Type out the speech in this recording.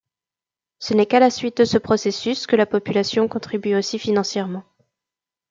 Ce n’est qu’à la suite de ce processus que la population contribue aussi financièrement.